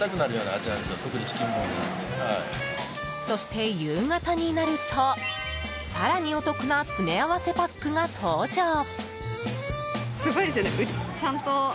そして、夕方になると更にお得な詰め合わせパックが登場。